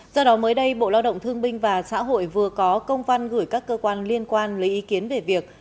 do đó mới đây bộ lao động thương binh và xã hội vừa có công văn gửi các cơ quan liên quan lấy ý kiến về việc